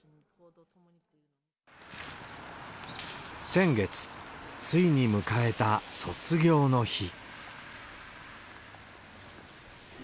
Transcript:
先月、ついに迎えた卒業の日。